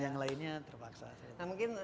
yang lainnya terpaksa nah mungkin